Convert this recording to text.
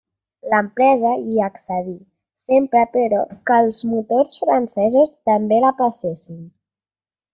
L'empresa hi accedí, sempre però que els motors francesos també la passessin.